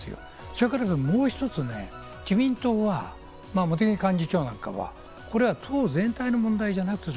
それからもう一つ、自民党は茂木幹事長なんかは党全体の問題じゃないと。